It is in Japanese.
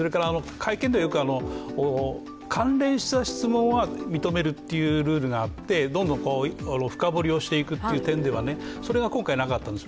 会見ではよく関連した質問は認めるっていうルールがあってどんどん深掘りをしているという点では、それが今回なかったんです。